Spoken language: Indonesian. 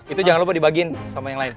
itu jangan lupa dibagiin sama yang lain